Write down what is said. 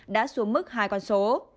đã xuống mức hai con số